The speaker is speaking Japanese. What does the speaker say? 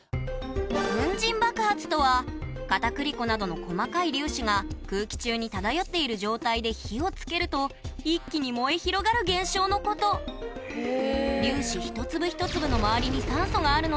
粉塵爆発とは片栗粉などの細かい粒子が空気中に漂っている状態で火をつけると一気に燃え広がる現象のこと酸素が大事ですね。